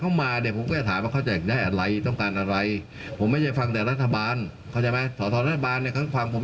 จะได้ความเข้าใจถึงอะไรกันไม่ใช่เรียกมารับผม